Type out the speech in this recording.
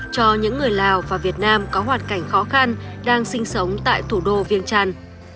cho những người lào và việt nam có hoàn cảnh khó khăn đang sinh sống tại thủ đô viêng trăn